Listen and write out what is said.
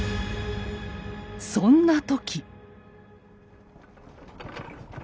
そんな時。